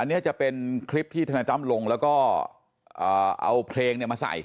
อันเนี้ยจะเป็นคลิปที่ทำลงแล้วก็เอาเพลงเนี้ยมาใส่